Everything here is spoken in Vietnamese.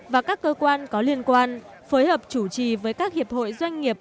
và các cơ quan có liên quan phối hợp chủ trì với các hiệp hội doanh nghiệp